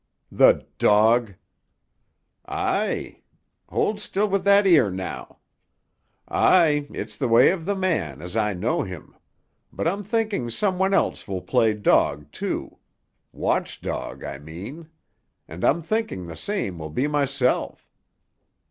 "The dog!" "Aye.—Hold still wi' that ear now.—Aye; it's the way of the man, as I know him. But I'm thinking some one else will play dog, too. Watchdog, I mean. And I'm thinking the same will be mysel'."